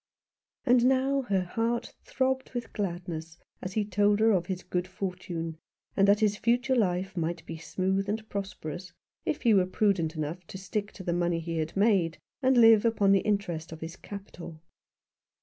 And now her heart throbbed with gladness as he told her of his good fortune, and that his future life might be smooth and prosperous, if he were prudent enough to stick to the money he had made, and live upon the interest of his capital.